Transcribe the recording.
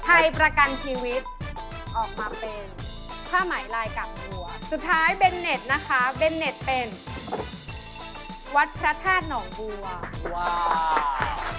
ไทยประกันชีวิตออกมาเป็นผ้าไหมลายกากบัวสุดท้ายเบนเน็ตนะคะเบนเน็ตเป็นวัดพระธาตุหนองบัว